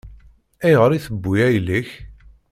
Ayɣer i tewwi ayla-k?